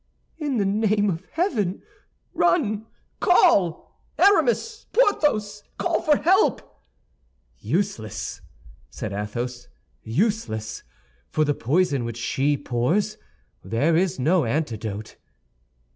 "In the name of heaven, run, call! Aramis! Porthos! Call for help!" "Useless!" said Athos, "useless! For the poison which she pours there is no antidote."